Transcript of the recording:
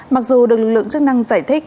mặc dù được lực lượng chức năng giải thích